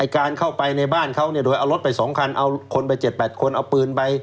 การเข้าไปในบ้านเขาโดยเอารถไป๒คันเอาคนไป๗๘คนเอาปืนไป